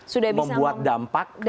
sudah bisa membuat dampak